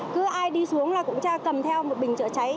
cứ ai đi xuống là cũng cha cầm theo một bình chữa cháy